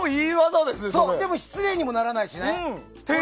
そして失礼にもならないしね。